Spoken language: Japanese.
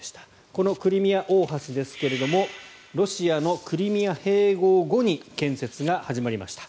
このクリミア大橋ですがロシアのクリミア併合後に建設が始まりました。